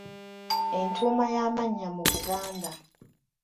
Entuuma y’amannya mu Buganda.